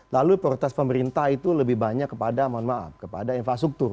lalu prioritas pemerintah itu lebih banyak kepada manfaat negara